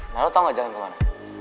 nah lu tau gak jalan kemana